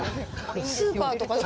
スーパーとかで。